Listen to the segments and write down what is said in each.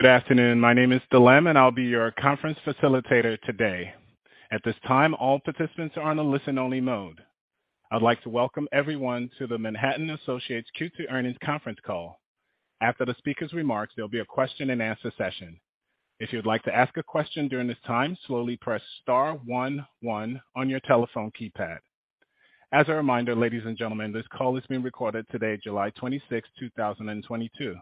Good afternoon. My name is Dilem, and I'll be your conference facilitator today. At this time, all participants are on a listen-only mode. I'd like to welcome everyone to the Manhattan Associates Q2 Earnings Conference Call. After the speaker's remarks, there'll be a question-and-answer session. If you'd like to ask a question during this time, slowly press star 1 1 on your telephone keypad. As a reminder, ladies and gentlemen, this call is being recorded today, July 26th, 2022.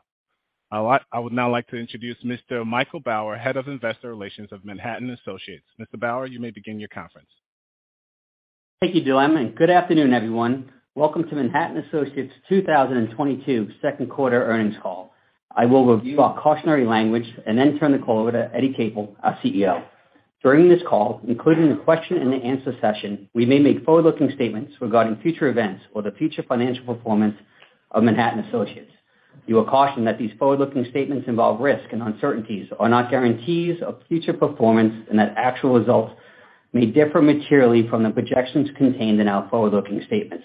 I would now like to introduce Mr. Michael Bauer, Head of Investor Relations of Manhattan Associates. Mr. Bauer, you may begin your conference. Thank you, Dilem, and good afternoon, everyone. Welcome to Manhattan Associates 2022 2nd quarter earnings call. I will review our cautionary language and then turn the call over to Eddie Capel, our CEO. During this call, including the question and answer session, we may make forward-looking statements regarding future events or the future financial performance of Manhattan Associates. You are cautioned that these forward-looking statements involve risks and uncertainties, are not guarantees of future performance, and that actual results may differ materially from the projections contained in our forward-looking statements.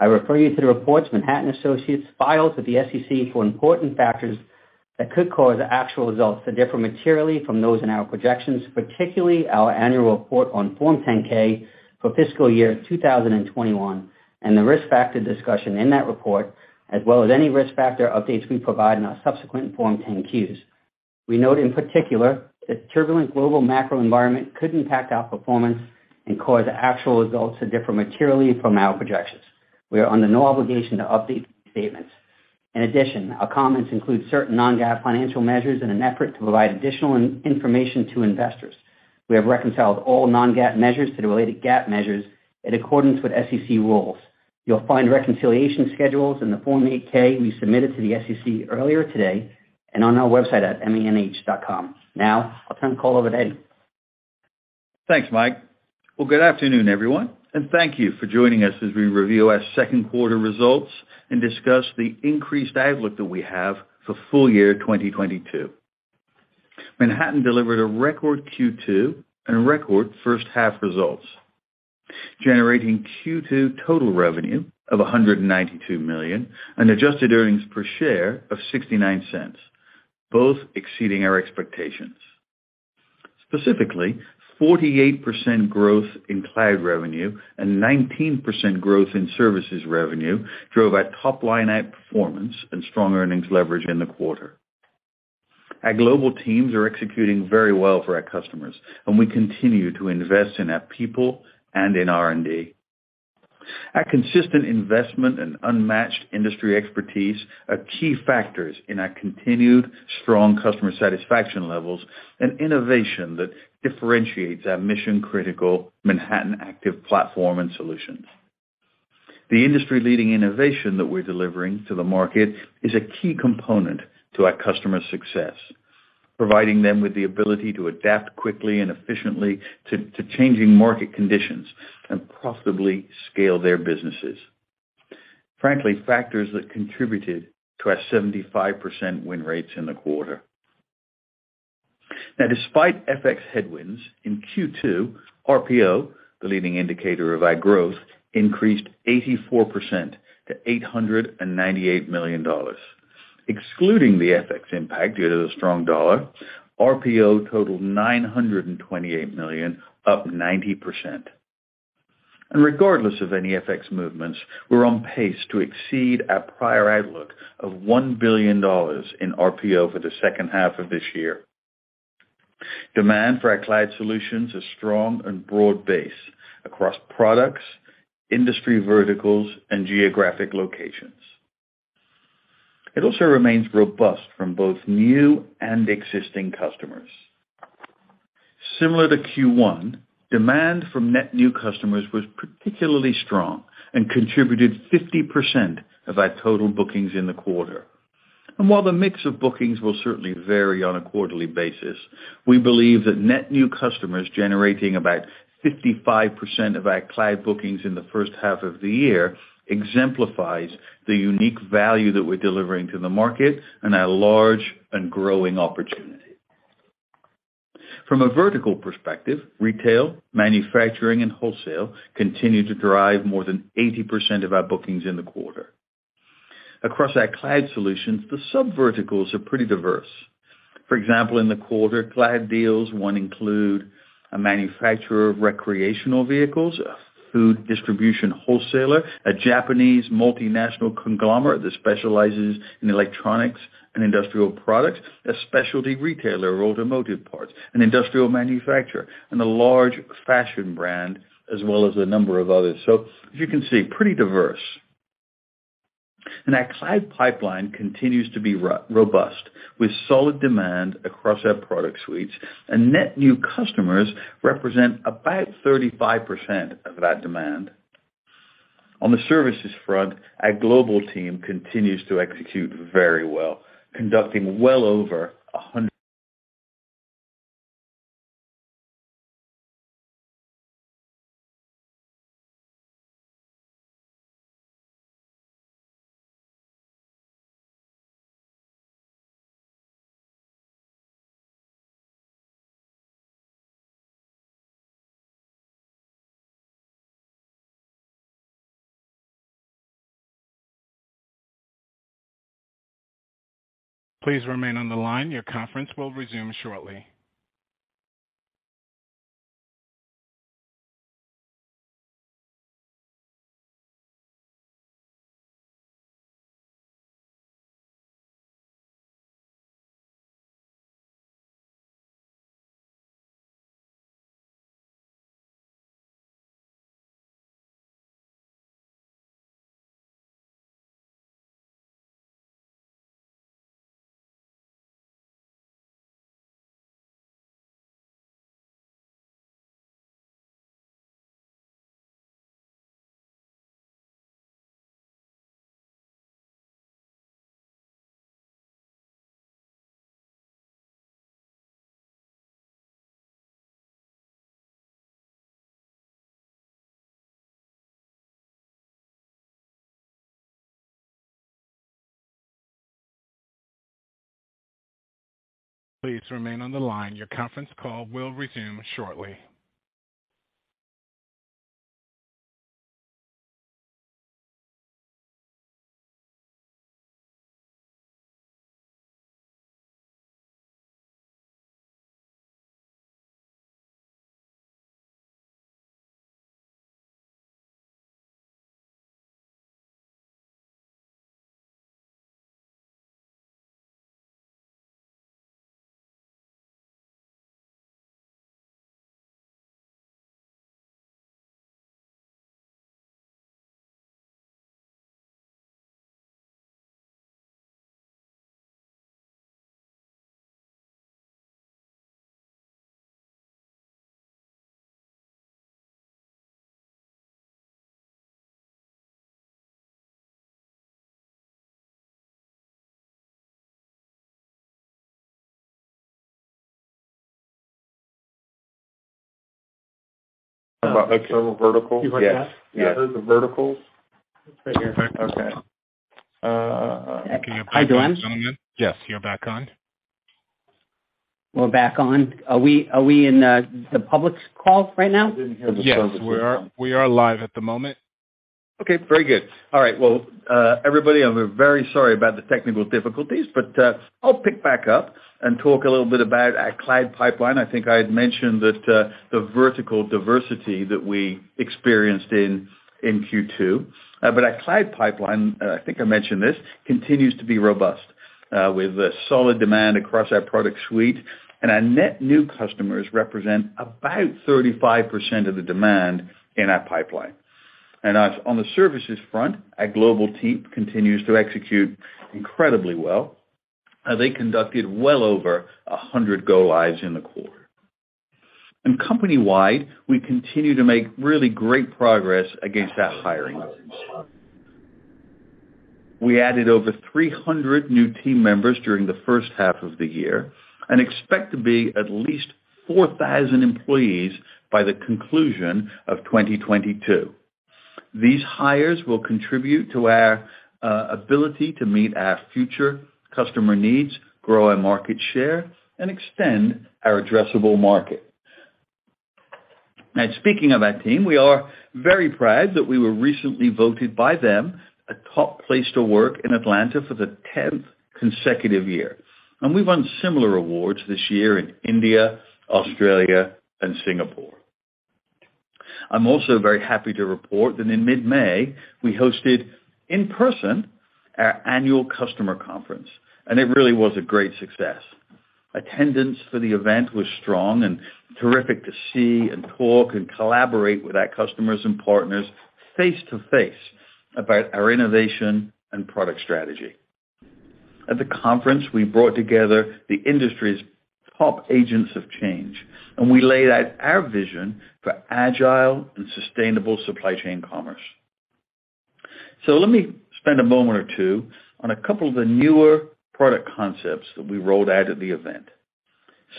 I refer you to the reports Manhattan Associates files with the SEC for important factors that could cause actual results to differ materially from those in our projections, particularly our annual report on Form 10-K for fiscal year 2021, and the risk factor discussion in that report, as well as any risk factor updates we provide in our subsequent Form 10-Qs. We note in particular that turbulent global macro environment could impact our performance and cause actual results to differ materially from our projections. We are under no obligation to update these statements. In addition, our comments include certain non-GAAP financial measures in an effort to provide additional information to investors. We have reconciled all non-GAAP measures to the related GAAP measures in accordance with SEC rules. You'll find reconciliation schedules in the Form 8-K we submitted to the SEC earlier today and on our website at manh.com. Now I'll turn the call over to Eddie. Thanks, Mike. Well, good afternoon, everyone, and thank you for joining us as we review our 2nd quarter results and discuss the increased outlook that we have for full year 2022. Manhattan delivered a record Q2 and record first half results, generating Q2 total revenue of $192 million and adjusted earnings per share of $0.69, both exceeding our expectations. Specifically, 48% growth in cloud revenue and 19% growth in services revenue drove our top line outperformance and strong earnings leverage in the quarter. Our global teams are executing very well for our customers, and we continue to invest in our people and in R&D. Our consistent investment and unmatched industry expertise are key factors in our continued strong customer satisfaction levels and innovation that differentiates our mission-critical Manhattan Active Platform and solutions. The industry-leading innovation that we're delivering to the market is a key component to our customers' success, providing them with the ability to adapt quickly and efficiently to changing market conditions and profitably scale their businesses. Frankly, factors that contributed to our 75% win rates in the quarter. Despite FX headwinds in Q2, RPO, the leading indicator of our growth, increased 84% to $898 million. Excluding the FX impact due to the strong dollar, RPO totaled $928 million, up 90%. Regardless of any FX movements, we're on pace to exceed our prior outlook of $1 billion in RPO for the second half of this year. Demand for our cloud solutions is strong and broad-based across products, industry verticals, and geographic locations. It also remains robust from both new and existing customers. Similar to Q1, demand from net new customers was particularly strong and contributed 50% of our total bookings in the quarter. While the mix of bookings will certainly vary on a quarterly basis, we believe that net new customers generating about 55% of our cloud bookings in the first half of the year exemplifies the unique value that we're delivering to the market and our large and growing opportunity. From a vertical perspective, retail, manufacturing, and wholesale continue to drive more than 80% of our bookings in the quarter. Across our cloud solutions, the subverticals are pretty diverse. For example, in the quarter cloud deals, one include a manufacturer of recreational vehicles, a food distribution wholesaler, a Japanese multinational conglomerate that specializes in electronics and industrial products, a specialty retailer of automotive parts, an industrial manufacturer, and a large fashion brand, as well as a number of others. As you can see, pretty diverse. Our cloud pipeline continues to be robust with solid demand across our product suites, and net new customers represent about 35% of that demand. On the services front, our global team continues to execute very well, conducting well over 100- Please remain on the line. Your conference will resume shortly. Please remain on the line. Your conference call will resume shortly. About like several verticals. You write that? Yes. I heard the verticals. It's right here. Okay. Hi, John. Gentlemen. Yes. You're back on. We're back on. Are we in the public's call right now? We didn't hear the public this time. Yes, we are. We are live at the moment. Okay. Very good. All right. Well, everybody, I'm very sorry about the technical difficulties, but I'll pick back up and talk a little bit about our cloud pipeline. I think I had mentioned that the vertical diversity that we experienced in Q2. But our cloud pipeline, I think I had mentioned this, continues to be robust with a solid demand across our product suite, and our net new customers represent about 35% of the demand in our pipeline. As on the services front, our global team continues to execute incredibly well. They conducted well over 100 go lives in the quarter. Company-wide, we continue to make really great progress against our hiring goals. We added over 300 new team members during the first half of the year and expect to be at least 4,000 employees by the conclusion of 2022. These hires will contribute to our ability to meet our future customer needs, grow our market share, and extend our addressable market. Now speaking of our team, we are very proud that we were recently voted by them a top place to work in Atlanta for the 10th consecutive year. We won similar awards this year in India, Australia, and Singapore. I'm also very happy to report that in mid-May, we hosted in person our annual customer conference, and it really was a great success. Attendance for the event was strong and terrific to see and talk and collaborate with our customers and partners face-to-face about our innovation and product strategy. At the conference, we brought together the industry's top agents of change, and we laid out our vision for agile and sustainable supply chain commerce. Let me spend a moment or 2 on a couple of the newer product concepts that we rolled out at the event.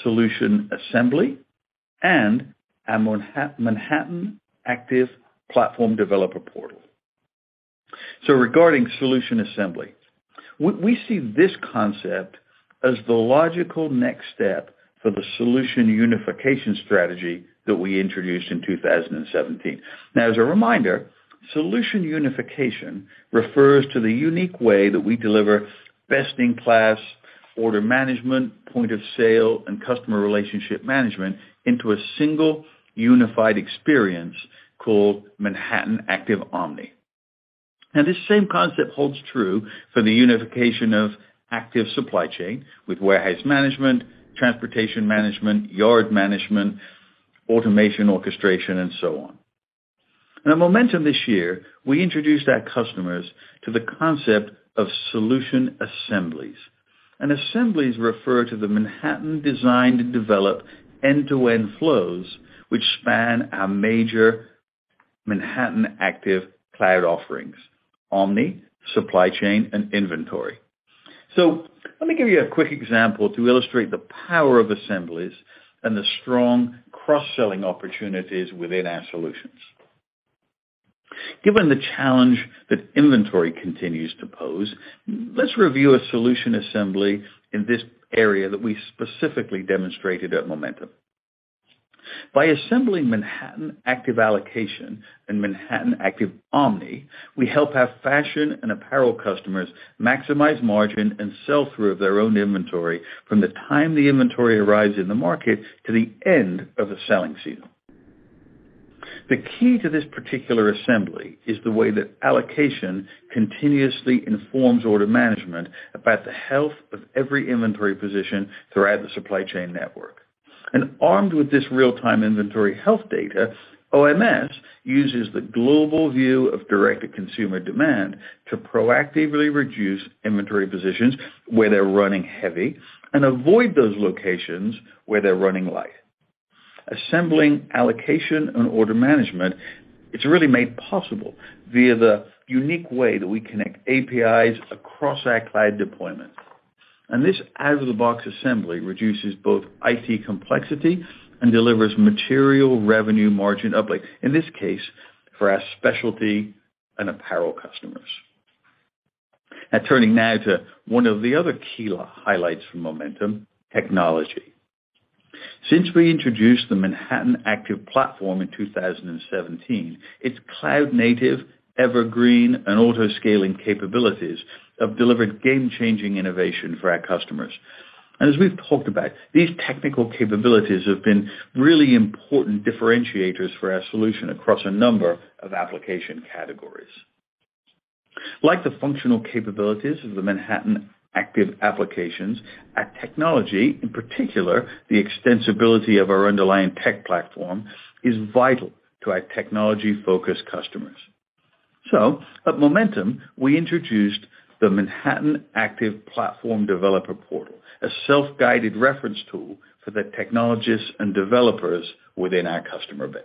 Solution assembly and our Manhattan Developer Hub. Regarding solution assembly. We see this concept as the logical next step for the solution unification strategy that we introduced in 2017. Now as a reminder, solution unification refers to the unique way that we deliver best-in-class order management, point of sale, and customer relationship management into a single unified experience called Manhattan Active Omni. Now this same concept holds true for the unification of Manhattan Active Supply Chain with warehouse management, transportation management, yard management, automation, orchestration, and so on. Now at Momentum this year, we introduced our customers to the concept of solution assemblies. Assemblies refer to the Manhattan designed and developed end-to-end flows which span our major Manhattan Active cloud offerings, Omni, Supply Chain, and Inventory. Let me give you a quick example to illustrate the power of assemblies and the strong cross-selling opportunities within our solutions. Given the challenge that inventory continues to pose, let's review a solution assembly in this area that we specifically demonstrated at Momentum. By assembling Manhattan Active Allocation and Manhattan Active Omni, we help our fashion and apparel customers maximize margin and sell-through of their own inventory from the time the inventory arrives in the market to the end of a selling season. The key to this particular assembly is the way that allocation continuously informs order management about the health of every inventory position throughout the supply chain network. Armed with this real-time inventory health data, OMS uses the global view of direct-to-consumer demand to proactively reduce inventory positions where they're running heavy and avoid those locations where they're running light. Assembling allocation and order management, it's really made possible via the unique way that we connect APIs across our cloud deployment. This out-of-the-box assembly reduces both IT complexity and delivers material revenue margin uplift, in this case, for our specialty and apparel customers. Now, turning to one of the other key highlights from Momentum, technology. Since we introduced the Manhattan Active Platform in 2017, its cloud-native, evergreen, and auto-scaling capabilities have delivered game-changing innovation for our customers. As we've talked about, these technical capabilities have been really important differentiators for our solution across a number of application categories. Like the functional capabilities of the Manhattan Active Applications, our technology, in particular, the extensibility of our underlying tech platform, is vital to our technology-focused customers. At Momentum, we introduced the Manhattan Active Platform Developer Portal, a self-guided reference tool for the technologists and developers within our customer base.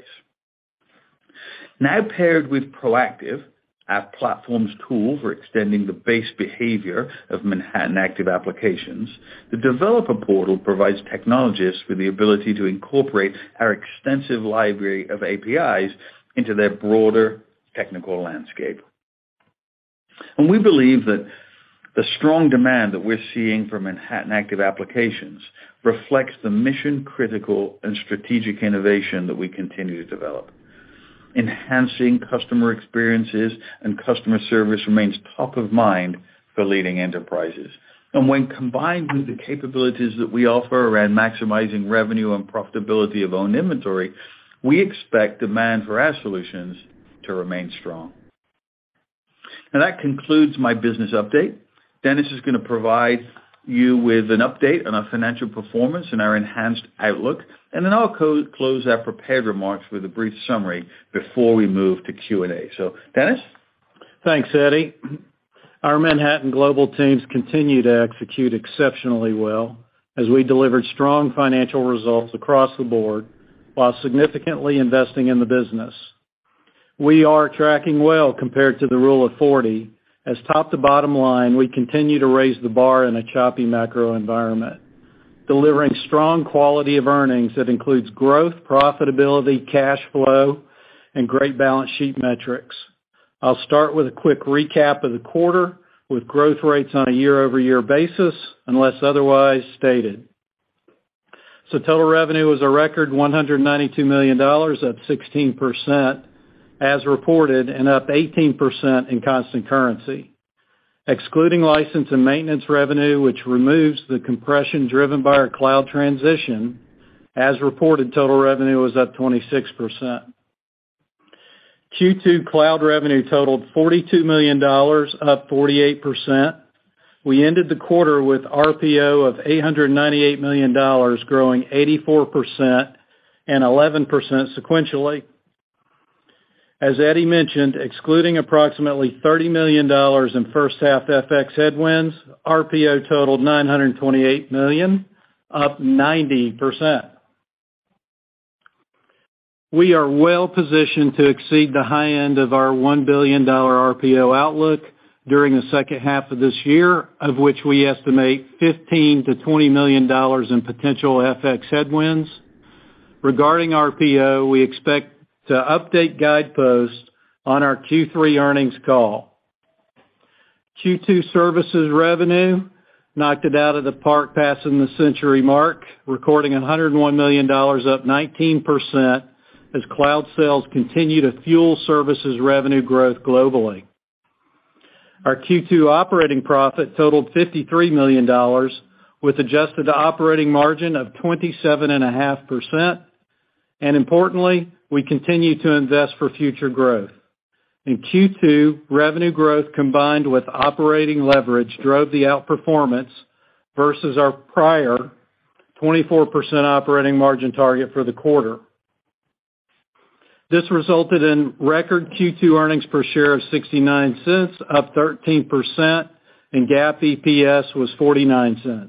Now paired with ProActive, our platform's tool for extending the base behavior of Manhattan Active Applications, the Developer Portal provides technologists with the ability to incorporate our extensive library of APIs into their broader technical landscape. We believe that the strong demand that we're seeing from Manhattan Active Applications reflects the mission-critical and strategic innovation that we continue to develop. Enhancing customer experiences and customer service remains top of mind for leading enterprises. When combined with the capabilities that we offer around maximizing revenue and profitability of owned inventory, we expect demand for our solutions to remain strong. That concludes my business update. Dennis is going to provide you with an update on our financial performance and our enhanced outlook, and then I'll close our prepared remarks with a brief summary before we move to Q&A. Dennis? Thanks, Eddie. Our Manhattan global teams continue to execute exceptionally well as we delivered strong financial results across the board while significantly investing in the business. We are tracking well compared to the Rule of 40, as top to bottom line, we continue to raise the bar in a choppy macro environment, delivering strong quality of earnings that includes growth, profitability, cash flow, and great balance sheet metrics. I'll start with a quick recap of the quarter with growth rates on a year-over-year basis, unless otherwise stated. Total revenue was a record $192 million, up 16%, as reported, and up 18% in constant currency. Excluding license and maintenance revenue, which removes the compression driven by our cloud transition, as reported, total revenue was up 26%. Q2 cloud revenue totaled $42 million, up 48%. We ended the quarter with RPO of $898 million, growing 84% and 11% sequentially. As Eddie mentioned, excluding approximately $30 million in first-half FX headwinds, RPO totaled $928 million, up 90%. We are well positioned to exceed the high end of our $1 billion RPO outlook during the second half of this year, of which we estimate $15 million-$20 million in potential FX headwinds. Regarding RPO, we expect to update guideposts on our Q3 earnings call. Q2 services revenue knocked it out of the park, passing the century mark, recording $101 million, up 19%, as cloud sales continue to fuel services revenue growth globally. Our Q2 operating profit totaled $53 million, with adjusted operating margin of 27.5%. Importantly, we continue to invest for future growth. In Q2, revenue growth combined with operating leverage drove the outperformance versus our prior 24% operating margin target for the quarter. This resulted in record Q2 earnings per share of $0.69, up 13%, and GAAP EPS was $0.49.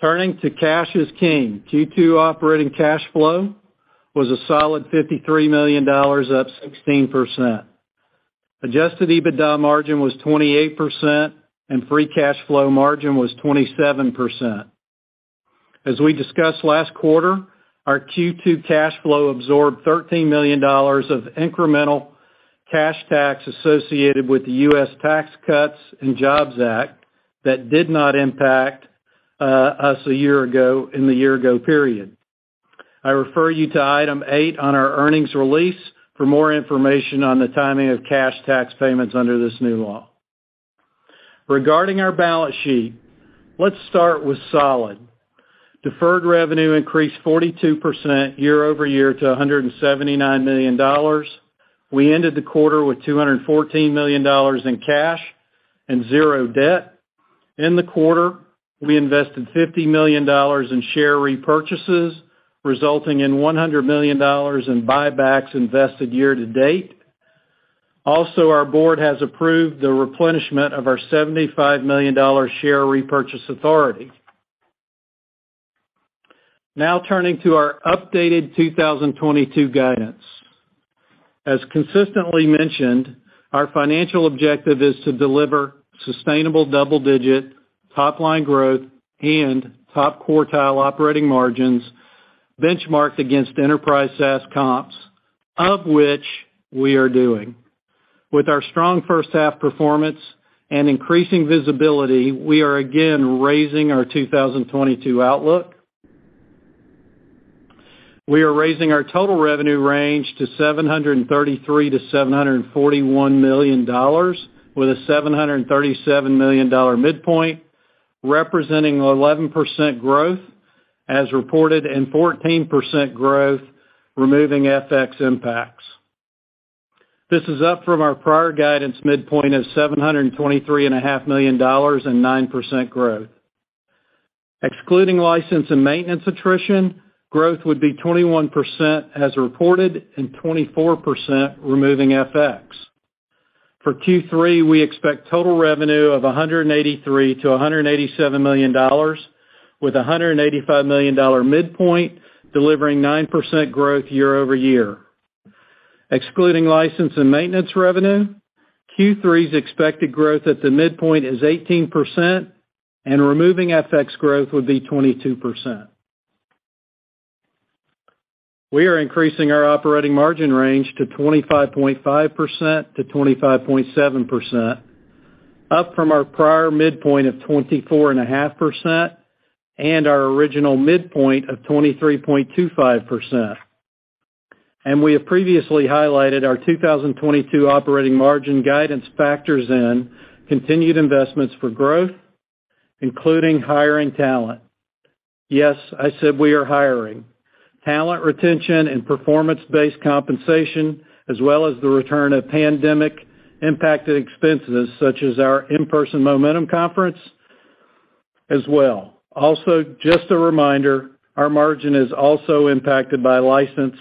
Turning to cash is king. Q2 operating cash flow was a solid $53 million, up 16%. Adjusted EBITDA margin was 28%, and free cash flow margin was 27%. As we discussed last quarter, our Q2 cash flow absorbed $13 million of incremental cash tax associated with the U.S. Tax Cuts and Jobs Act that did not impact us a year ago in the year ago period. I refer you to Item 8 on our earnings release for more information on the timing of cash tax payments under this new law. Regarding our balance sheet, let's start with solid. Deferred revenue increased 42% year-over-year to $179 million. We ended the quarter with $214 million in cash and zero debt. In the quarter, we invested $50 million in share repurchases, resulting in $100 million in buybacks invested year-to-date. Also, our board has approved the replenishment of our $75 million dollar share repurchase authority. Now turning to our updated 2022 guidance. As consistently mentioned, our financial objective is to deliver sustainable double-digit top line growth and top quartile operating margins benchmarked against enterprise SaaS comps, of which we are doing. With our strong first half performance and increasing visibility, we are again raising our 2022 outlook. We are raising our total revenue range to $733-$741 million with a $737 million midpoint, representing 11% growth as reported and 14% growth removing FX impacts. This is up from our prior guidance midpoint of $723 and a half million and 9% growth. Excluding license and maintenance attrition, growth would be 21% as reported and 24% removing FX. For Q3, we expect total revenue of $183-$187 million with a $185 million midpoint, delivering 9% growth year-over-year. Excluding license and maintenance revenue, Q3's expected growth at the midpoint is 18%, and removing FX growth would be 22%. We are increasing our operating margin range to 25.5%-25.7%, up from our prior midpoint of 24.5% and our original midpoint of 23.25%. We have previously highlighted our 2022 operating margin guidance factors in continued investments for growth, including hiring talent. Yes, I said we are hiring. Talent retention and performance-based compensation as well as the return of pandemic-impacted expenses, such as our in-person Momentum conference as well. Also, just a reminder, our margin is also impacted by license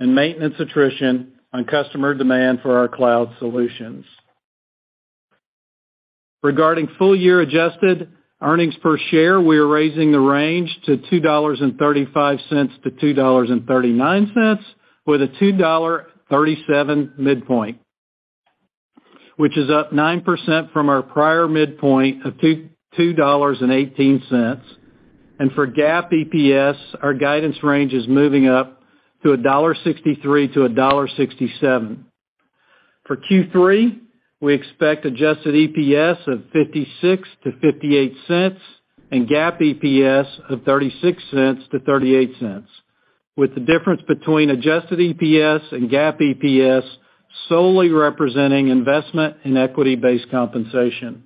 and maintenance attrition on customer demand for our cloud solutions. Regarding full year adjusted earnings per share, we are raising the range to $2.35-$2.39 with a $2.37 midpoint, which is up 9% from our prior midpoint of $2.18. For GAAP EPS, our guidance range is moving up to $1.63-$1.67. For Q3, we expect adjusted EPS of $0.56-$0.58 and GAAP EPS of $0.36-$0.38, with the difference between adjusted EPS and GAAP EPS solely representing investment in equity-based compensation.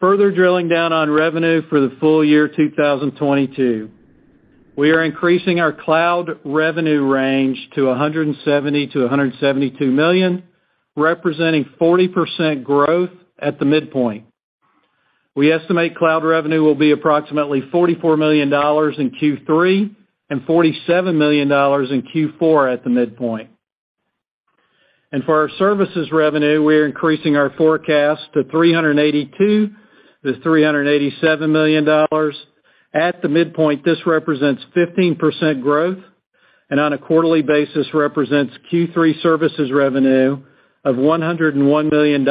Further drilling down on revenue for the full year 2022, we are increasing our cloud revenue range to $170 million-$172 million, representing 40% growth at the midpoint. We estimate cloud revenue will be approximately $44 million in Q3 and $47 million in Q4 at the midpoint. For our services revenue, we're increasing our forecast to $382 million-$387 million. At the midpoint, this represents 15% growth and on a quarterly basis represents Q3 services revenue of $101 million,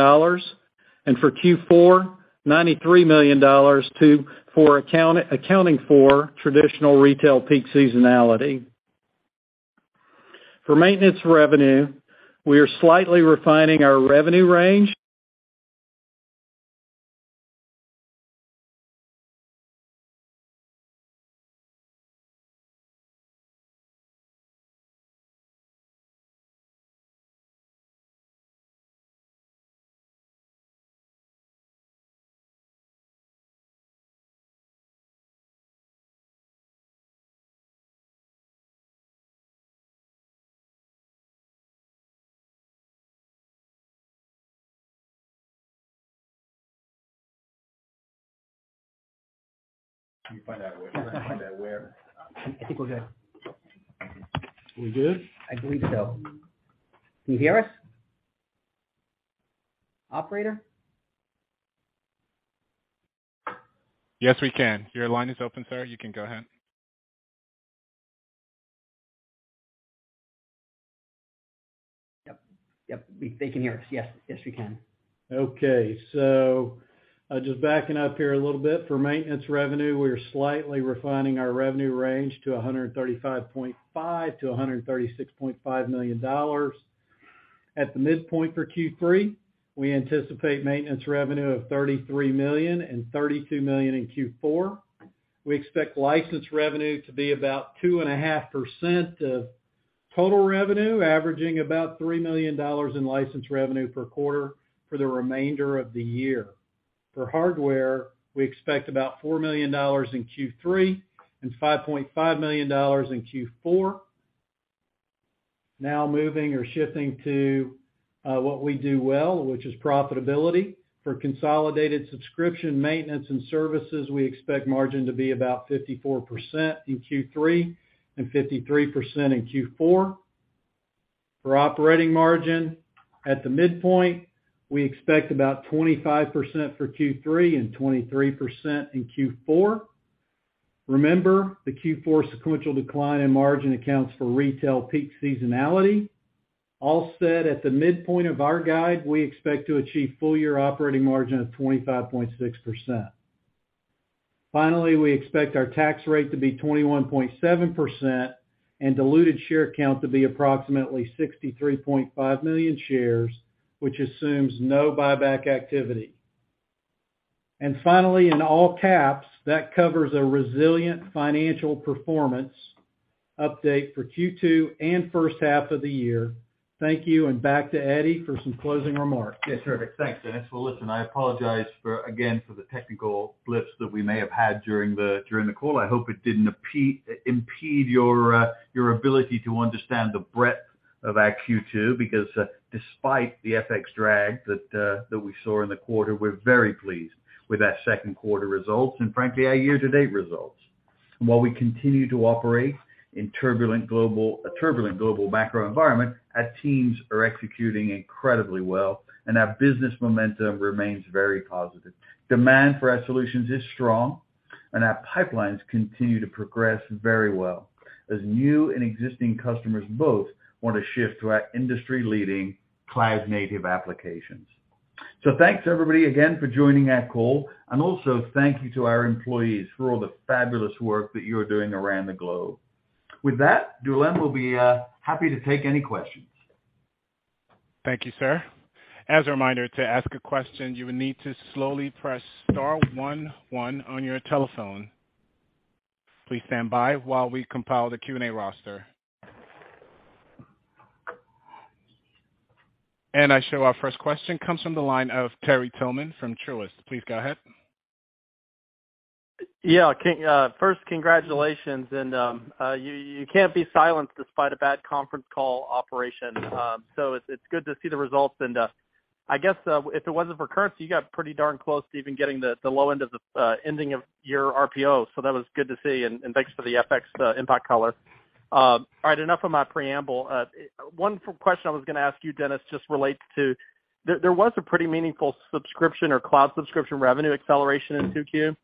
and for Q4, $93 million accounting for traditional retail peak seasonality. For maintenance revenue, we are slightly refining our revenue range. Can you find out where? I think we're good. We good? I believe so. Can you hear us? Operator? Yes, we can. Your line is open, sir. You can go ahead. Yep. Yep, they can hear us. Yes, yes, we can. Okay. Just backing up here a little bit. For maintenance revenue, we are slightly refining our revenue range to $135.5 million-$136.5 million. At the midpoint for Q3, we anticipate maintenance revenue of $33 million and $32 million in Q4. We expect license revenue to be about 2.5% of total revenue, averaging about $3 million in license revenue per quarter for the remainder of the year. For hardware, we expect about $4 million in Q3 and $5.5 million in Q4. Now, moving or shifting to what we do well, which is profitability. For consolidated subscription, maintenance, and services, we expect margin to be about 54% in Q3 and 53% in Q4. For operating margin at the midpoint, we expect about 25% for Q3 and 23% in Q4. Remember, the Q4 sequential decline in margin accounts for retail peak seasonality. All said, at the midpoint of our guide, we expect to achieve full year operating margin of 25.6%. Finally, we expect our tax rate to be 21.7% and diluted share count to be approximately 63.5 million shares, which assumes no buyback activity. Finally, in all caps, that covers a resilient financial performance update for Q2 and first half of the year. Thank you, and back to Eddie for some closing remarks. Yes, perfect. Thanks, Dennis. Well, listen, I apologize again for the technical blips that we may have had during the call. I hope it didn't impede your ability to understand the breadth of our Q2, because despite the FX drag that we saw in the quarter, we're very pleased with our 2nd quarter results and frankly our year-to-date results. While we continue to operate in a turbulent global macro environment, our teams are executing incredibly well, and our business momentum remains very positive. Demand for our solutions is strong, and our pipelines continue to progress very well as new and existing customers both want to shift to our industry-leading cloud native applications. Thanks everybody again for joining our call. Thank you to our employees for all the fabulous work that you're doing around the globe. With that, Dilem will be happy to take any questions. Thank you, sir. As a reminder, to ask a question, you will need to slowly press star 1 1 on your telephone. Please stand by while we compile the Q&A roster. Our first question comes from the line of Terry Tillman from Truist. Please go ahead. First, congratulations and you can't be silenced despite a bad conference call operation. It's good to see the results and I guess if it wasn't for currency, you got pretty darn close to even getting the low end of the ending of your RPO. That was good to see. Thanks for the FX impact color. All right. Enough of my preamble. One question I was gonna ask you, Dennis, just relates to there was a pretty meaningful subscription or cloud subscription revenue acceleration in 2Q,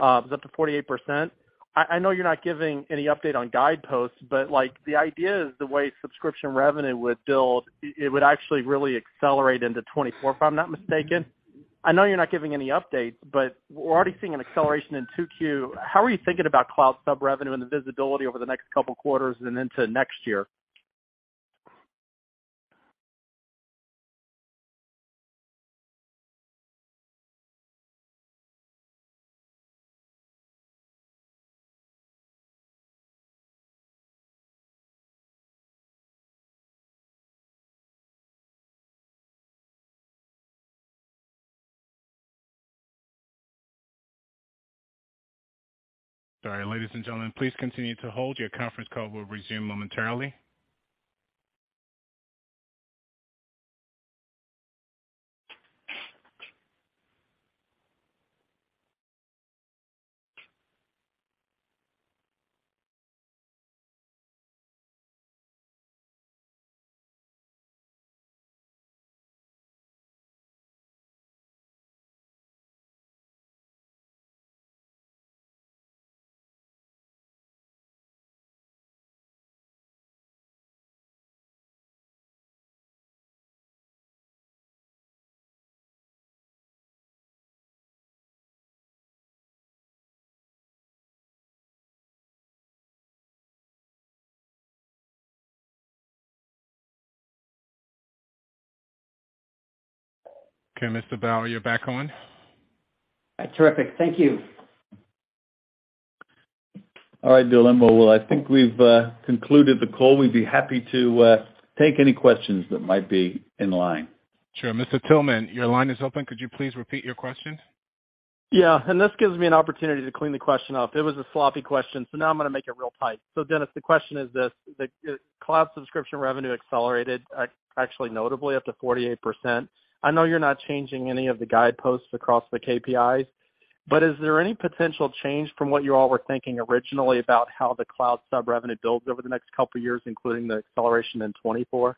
was up to 48%. I know you're not giving any update on guideposts, but like the idea is the way subscription revenue would build, it would actually really accelerate into 2024, if I'm not mistaken. I know you're not giving any updates, but we're already seeing an acceleration in 2Q. How are you thinking about cloud sub-revenue and the visibility over the next couple quarters and into next year? Sorry, ladies and gentlemen, please continue to hold. Your conference call will resume momentarily. Okay, Mr. Bauer, you're back on. Terrific. Thank you. All right, Dilem. Well, I think we've concluded the call. We'd be happy to take any questions that might be in line. Sure. Mr. Tillman, your line is open. Could you please repeat your question? Yeah, this gives me an opportunity to clean the question up. It was a sloppy question, so now I'm gonna make it real tight. Dennis, the question is this: The cloud subscription revenue accelerated actually notably up to 48%. I know you're not changing any of the guideposts across the KPIs, but is there any potential change from what you all were thinking originally about how the cloud sub-revenue builds over the next couple years, including the acceleration in 2024?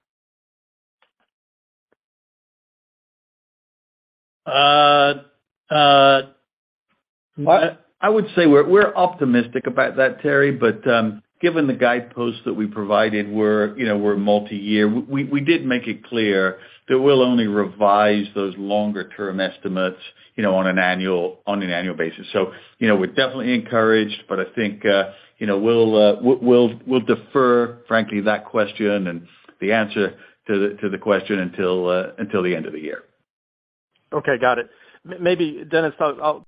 I would say we're optimistic about that, Terry. Given the guideposts that we provided, we're, you know, we're multi-year. We did make it clear that we'll only revise those longer term estimates, you know, on an annual basis. You know, we're definitely encouraged, but I think, you know, we'll defer, frankly, that question and the answer to the question until the end of the year. Okay. Got it. Maybe Dennis, I'll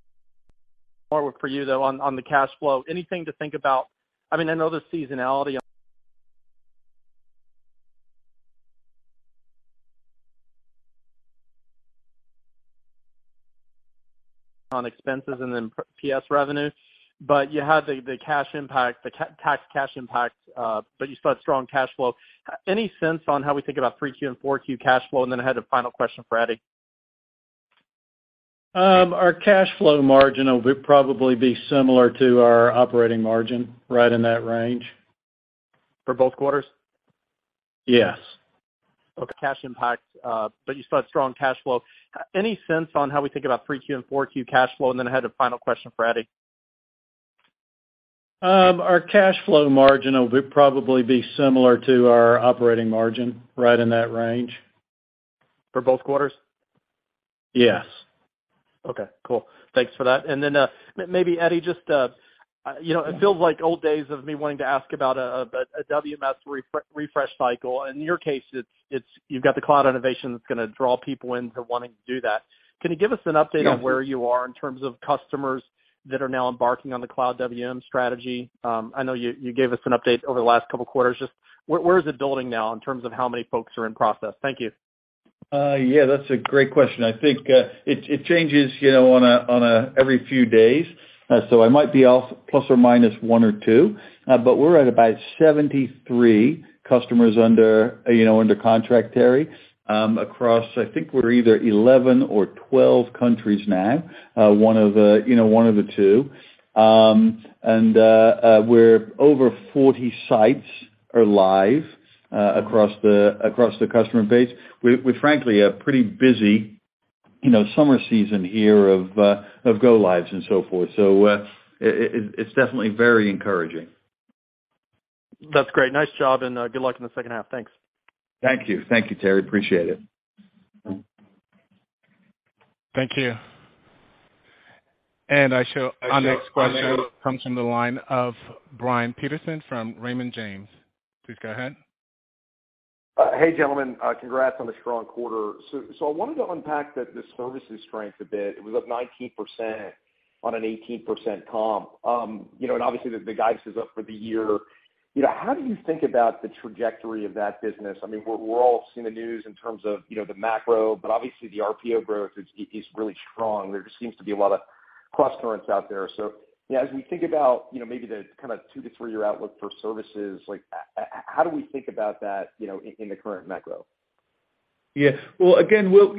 more for you though on the cash flow. Anything to think about? I mean, I know the seasonality on expenses and then PS revenue, but you had the cash impact, the cash tax cash impact, but you saw strong cash flow. Any sense on how we think about 3Q and 4Q cash flow? I had a final question for Eddie. Our cash flow margin will probably be similar to our operating margin, right in that range. For both quarters? Yes. Okay, cash impact, but you saw strong cash flow. Any sense on how we think about 3Q and 4Q cash flow? I had a final question for Eddie. Our cash flow margin will probably be similar to our operating margin, right in that range. For both quarters? Yes. Okay, cool. Thanks for that. Maybe Eddie, just, you know, it feels like old days of me wanting to ask about a WMS refresh cycle. In your case it's you've got the cloud innovation that's gonna draw people into wanting to do that. Can you give us an update. On where you are in terms of customers that are now embarking on the cloud WMS strategy? I know you gave us an update over the last couple quarters. Just where is it building now in terms of how many folks are in process? Thank you. Yeah, that's a great question. I think it changes, you know, every few days. I might be off plus or minus 1 or 2, but we're at about 73 customers under, you know, under contract, Terry, across I think we're either 11 or 12 countries now, one of the two. We're over 40 sites are live across the customer base. We frankly have a pretty busy, you know, summer season here of go lives and so forth. It's definitely very encouraging. That's great. Nice job, and good luck in the second half. Thanks. Thank you. Thank you, Terry. Appreciate it. Thank you. Our next question comes from the line of Brian Peterson from Raymond James. Please go ahead. Hey, gentlemen, congrats on the strong quarter. I wanted to unpack the services strength a bit. It was up 19% on an 18% comp. You know, obviously the guidance is up for the year. You know, how do you think about the trajectory of that business? I mean, we're all seeing the news in terms of, you know, the macro, but obviously the RPO growth is really strong. There just seems to be a lot of cross currents out there. You know, as we think about, you know, maybe the kinda 2-3-year outlook for services, like how do we think about that, you know, in the current macro? Yeah. Well, again, when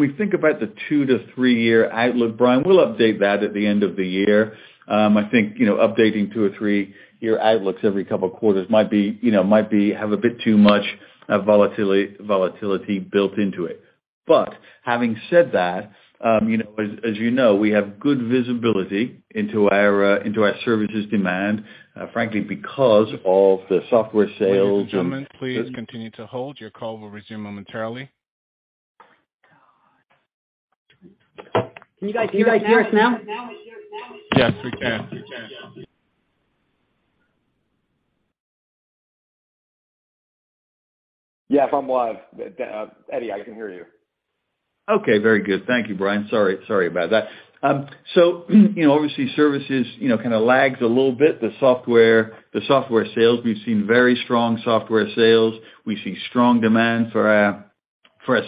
we think about the 2- to 3-year outlook, Brian, we'll update that at the end of the year. I think, you know, updating 2- or 3-year outlooks every couple of quarters might have a bit too much volatility built into it. Having said that, you know, as you know, we have good visibility into our services demand, frankly, because of the software sales and Ladies and gentlemen, please continue to hold. Your call will resume momentarily. Can you guys hear us now? Yes, we can. Yeah, if I'm live. Eddie, I can hear you. Okay. Very good. Thank you, Brian. Sorry about that. You know, obviously services, you know, kinda lags a little bit. The software sales, we've seen very strong software sales. We see strong demand for our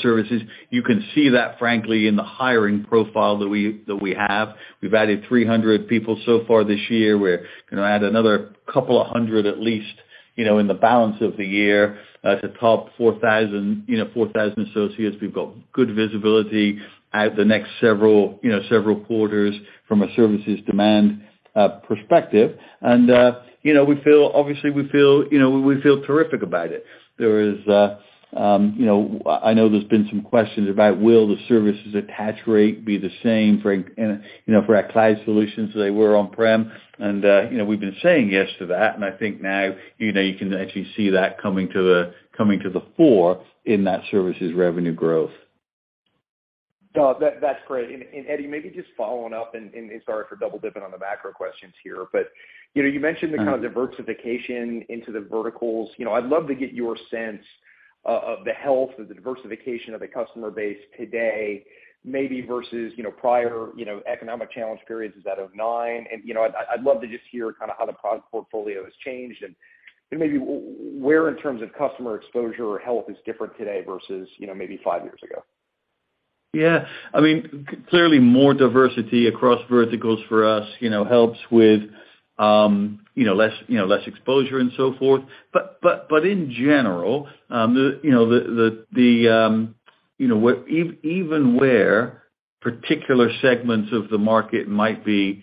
services. You can see that frankly in the hiring profile that we have. We've added 300 people so far this year. We're gonna add another couple of hundred, at least, you know, in the balance of the year, to top 4,000 associates. We've got good visibility out the next several quarters from a services demand perspective. You know, we feel obviously, you know, terrific about it. There is, you know, I know there's been some questions about will the services attach rate be the same for our cloud solutions they were on-prem? You know, we've been saying yes to that. I think now, you know, you can actually see that coming to the fore in that services revenue growth. No, that's great. Eddie, maybe just following up, sorry for double-dipping on the macro questions here, but you know, you mentioned the kind of diversification into the verticals. You know, I'd love to get your sense of the health of the diversification of the customer base today maybe versus, you know, prior economic challenge periods like in 2009. You know, I'd love to just hear kind of how the product portfolio has changed and maybe where in terms of customer exposure or health is different today versus, you know, maybe 5 years ago. Yeah. I mean, clearly more diversity across verticals for us, you know, helps with, you know, less exposure and so forth. In general, you know, where even particular segments of the market might be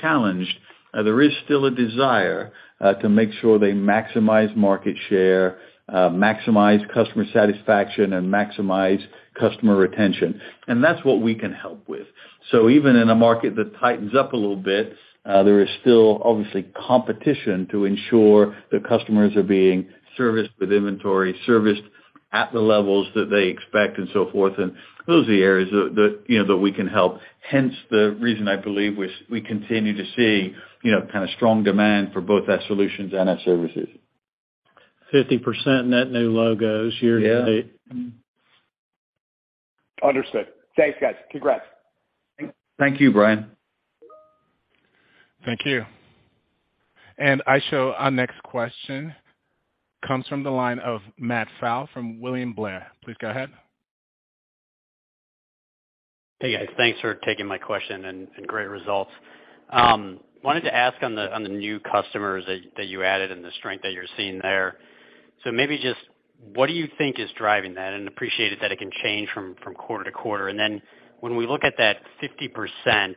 challenged, there is still a desire to make sure they maximize market share, maximize customer satisfaction, and maximize customer retention. That's what we can help with. Even in a market that tightens up a little bit, there is still obviously competition to ensure that customers are being serviced with inventory, serviced at the levels that they expect and so forth. Those are the areas that, you know, we can help. Hence the reason I believe we continue to see, you know, kind of strong demand for both our solutions and our services. 50% net new logos year-to-date. Yeah. Understood. Thanks, guys. Congrats. Thank you, Brian. Thank you. Our next question comes from the line of Matthew Pfau from William Blair. Please go ahead. Hey, guys. Thanks for taking my question and great results. Wanted to ask on the new customers that you added and the strength that you're seeing there. Maybe just what do you think is driving that? Appreciated that it can change from quarter to quarter. When we look at that 50%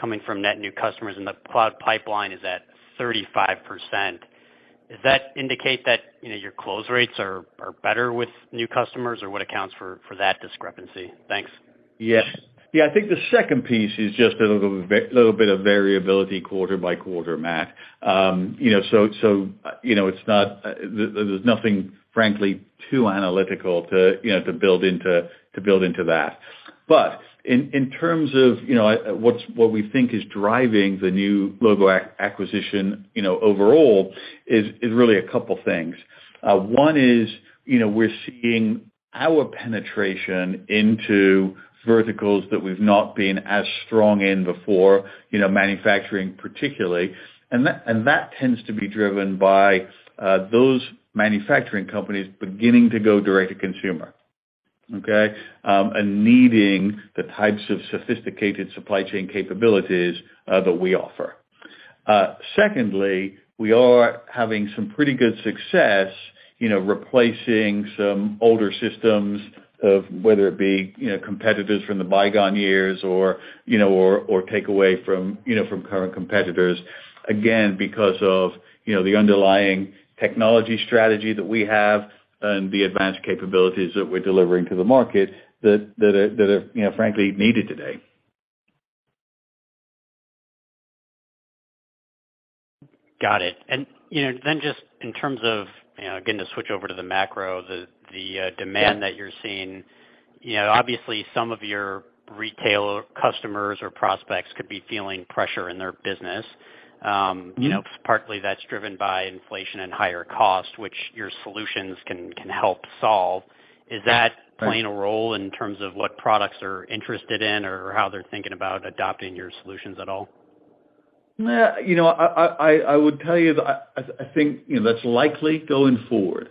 coming from net new customers and the cloud pipeline is at 35%, does that indicate that, you know, your close rates are better with new customers, or what accounts for that discrepancy? Thanks. Yes. Yeah, I think the second piece is just a little bit of variability quarter by quarter, Matt. You know, so you know, it's not. There's nothing frankly too analytical to you know to build into that. In terms of, you know, what we think is driving the new logo acquisition, you know, overall is really a couple things. One is, you know, we're seeing our penetration into verticals that we've not been as strong in before, you know, manufacturing particularly. That tends to be driven by those manufacturing companies beginning to go direct to consumer, okay, and needing the types of sophisticated supply chain capabilities that we offer. Secondly, we are having some pretty good success, you know, replacing some older systems, whether it be, you know, competitors from the bygone years or take away from, you know, from current competitors, again, because of, you know, the underlying technology strategy that we have and the advanced capabilities that we're delivering to the market that are, you know, frankly needed today. Got it. You know, then just in terms of, you know, getting to switch over to the macro. Demand that you're seeing, you know, obviously some of your retail customers or prospects could be feeling pressure in their business. you know, partly that's driven by inflation and higher costs, which your solutions can help solve. Is that playing a role in terms of what products they're interested in or how they're thinking about adopting your solutions at all? Nah. You know, I would tell you that I think, you know, that's likely going forward.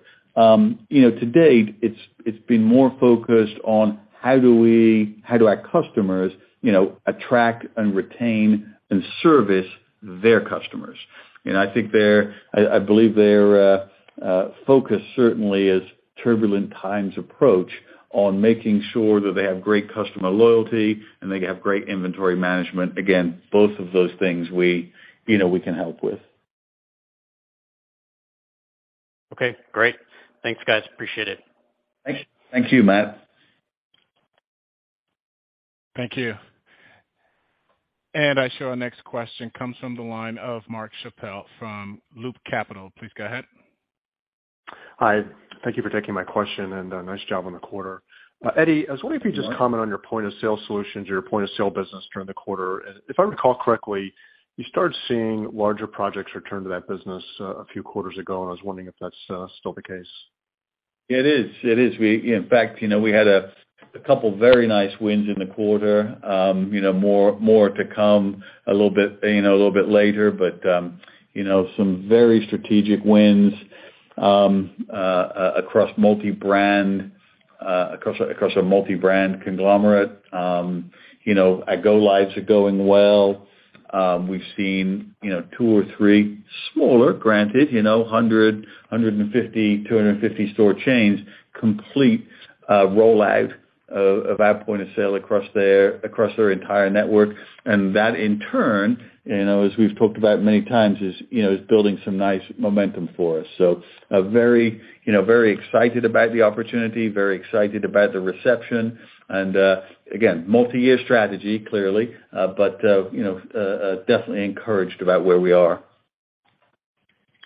You know, to date, it's been more focused on how our customers, you know, attract and retain and service their customers. You know, I believe their focus certainly as turbulent times approach on making sure that they have great customer loyalty and they have great inventory management. Again, both of those things we, you know, can help with. Okay, great. Thanks, guys. Appreciate it. Thank you, Matt. Thank you. I show our next question comes from the line of Mark Schappel from Loop Capital. Please go ahead. Hi, thank you for taking my question, and nice job on the quarter. Eddie, I was wondering if you just comment on your point of sale solutions, your point of sale business during the quarter. If I recall correctly, you started seeing larger projects return to that business a few quarters ago, and I was wondering if that's still the case. It is. In fact, you know, we had a couple very nice wins in the quarter. You know, more to come a little bit later, but you know, some very strategic wins across our multi-brand conglomerate. You know, our go lives are going well. We've seen, you know, 2 or 3 smaller, granted, 150, 250 store chains complete a rollout of our point of sale across their entire network. That in turn, you know, as we've talked about many times, is building some nice momentum for us. A very, you know, very excited about the opportunity, very excited about the reception and, again, multi-year strategy clearly, but, you know, definitely encouraged about where we are.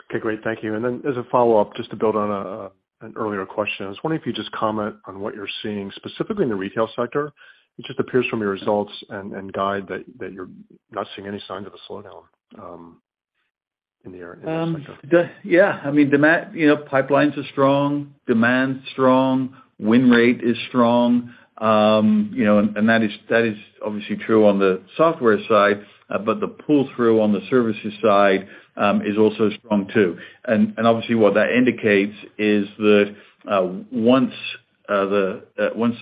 Okay, great. Thank you. As a follow-up, just to build on an earlier question. I was wondering if you just comment on what you're seeing specifically in the retail sector. It just appears from your results and guide that you're not seeing any signs of a slowdown in there in this sector. Yeah, I mean, demand, you know, pipelines are strong, demand's strong, win rate is strong. You know, that is obviously true on the software side, but the pull-through on the services side is also strong too. Obviously what that indicates is that once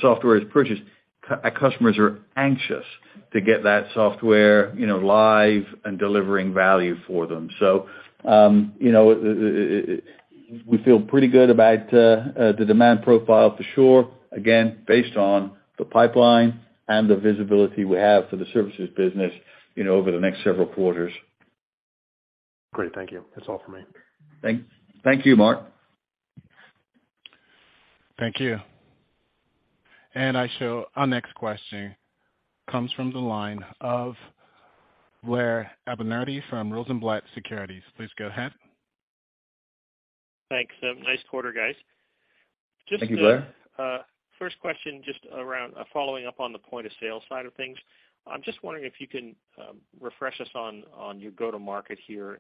software is purchased, customers are anxious to get that software, you know, live and delivering value for them. You know, we feel pretty good about the demand profile for sure, again, based on the pipeline and the visibility we have for the services business, you know, over the next several quarters. Great. Thank you. That's all for me. Thank you, Mark. Thank you. I show our next question comes from the line of Blair Abernethy from Rosenblatt Securities. Please go ahead. Thanks. Nice quarter, guys. Thank you, Blair. Just first question around following up on the point of sale side of things. I'm just wondering if you can refresh us on your go-to-market here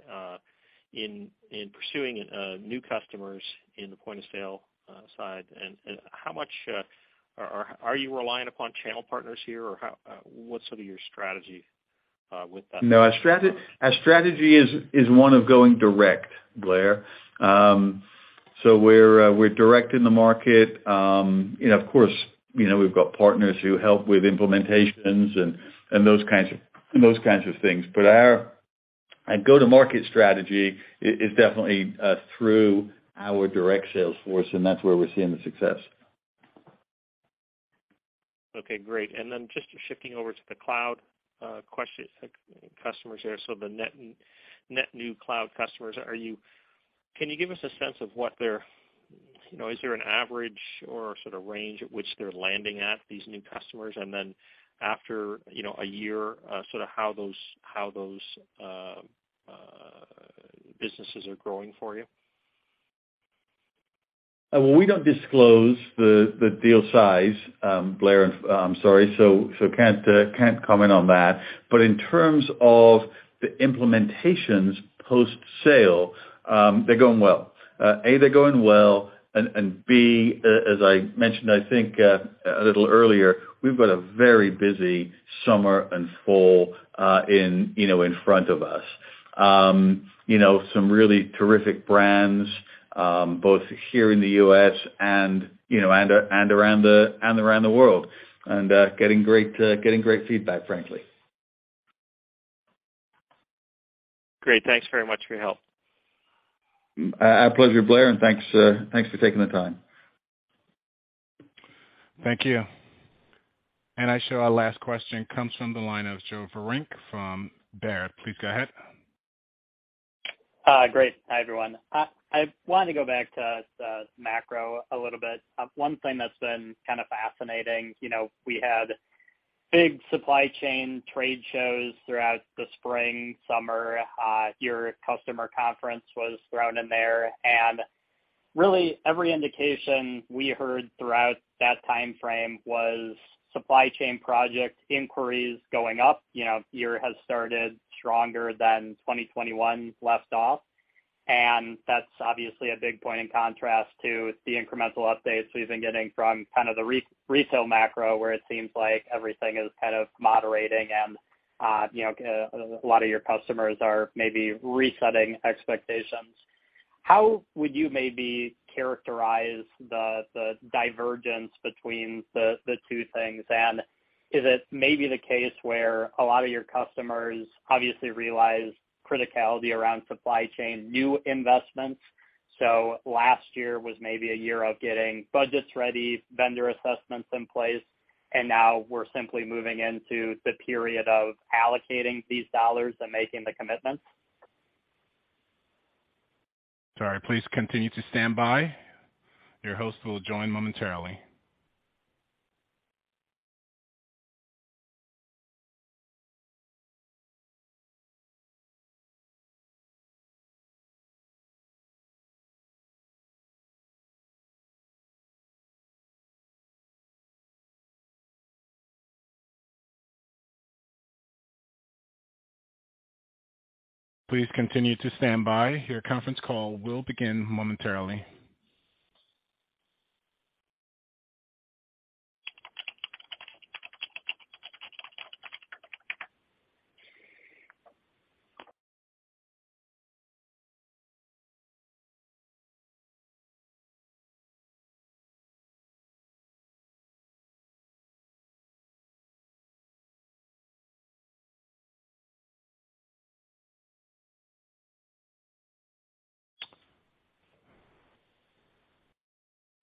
in pursuing new customers in the point of sale side. How much are you relying upon channel partners here or what's sort of your strategy with that? No, our strategy is one of going direct, Blair. So we're direct in the market. You know, of course, you know, we've got partners who help with implementations and those kinds of things. Our go-to-market strategy is definitely through our direct sales force, and that's where we're seeing the success. Okay, great. Just shifting over to the cloud questions, customers there. The net new cloud customers, can you give us a sense of what their you know, is there an average or sort of range at which they're landing at these new customers? After you know, a year, sort of how those businesses are growing for you? We don't disclose the deal size, Blair. I'm sorry. Can't comment on that. In terms of the implementations post-sale, they're going well. A, they're going well. B, as I mentioned, I think a little earlier, we've got a very busy summer and fall, you know, in front of us. You know, some really terrific brands, both here in the U.S. and around the world. Getting great feedback, frankly. Great. Thanks very much for your help. Our pleasure, Blair. Thanks for taking the time. Thank you. Our last question comes from the line of Joe Vruwink from Baird. Please go ahead. Great. Hi, everyone. I wanted to go back to macro a little bit. One thing that's been kind of fascinating, you know, we had big supply chain trade shows throughout the spring, summer. Your customer conference was thrown in there. Really every indication we heard throughout that timeframe was supply chain project inquiries going up. You know, year has started stronger than 2021 left off. That's obviously a big point in contrast to the incremental updates we've been getting from kind of the retail macro, where it seems like everything is kind of moderating and, you know, a lot of your customers are maybe resetting expectations. How would you maybe characterize the divergence between the 2 things? Is it maybe the case where a lot of your customers obviously realize criticality around supply chain new investments? Last year was maybe a year of getting budgets ready, vendor assessments in place, and now we're simply moving into the period of allocating these dollars and making the commitments. Sorry. Please continue to stand by. Your host will join momentarily. Please continue to stand by. Your conference call will begin momentarily.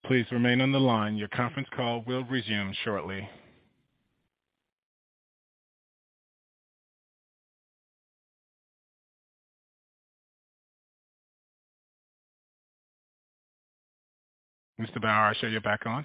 Please remain on the line. Your conference call will resume shortly. Mr. Bauer, I show you're back on.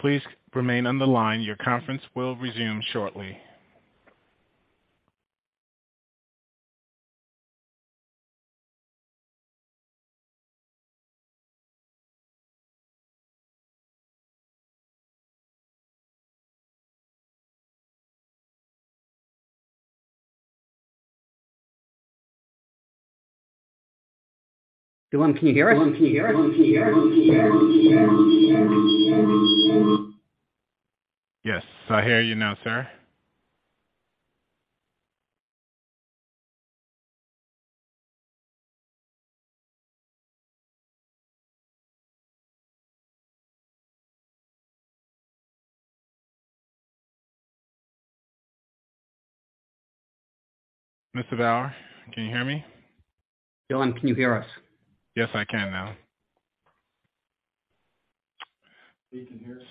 Please remain on the line. Your conference will resume shortly. Dilem, can you hear us? Yes, I hear you now, sir. Mr. Bauer, can you hear me? Dilem, can you hear us? Yes, I can now. You can hear us?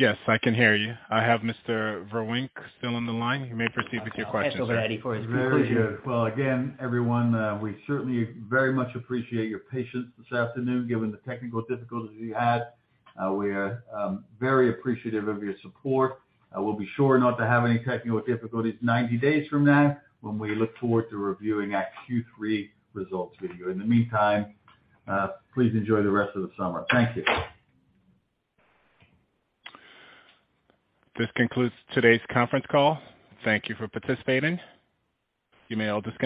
Yes, I can hear you. I have Mr. Vruwink still on the line. You may proceed with your question, sir. I'll hand it over to Eddie for his conclusion. Very good. Well, again, everyone, we certainly very much appreciate your patience this afternoon, given the technical difficulties we had. We are very appreciative of your support. We'll be sure not to have any technical difficulties 90 days from now when we look forward to reviewing our Q3 results with you. In the meantime, please enjoy the rest of the summer. Thank you. This concludes today's conference call. Thank you for participating. You may all disconnect.